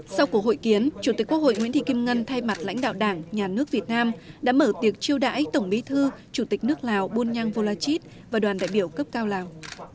sau cuộc hội kiến chủ tịch quốc hội nguyễn thị kim ngân thay mặt lãnh đạo đảng nhà nước việt nam đã mở tiệc chiêu đãi tổng bí thư chủ tịch nước lào bunyang volachit và đoàn đại biểu cấp cao lào